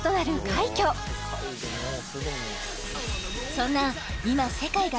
そんな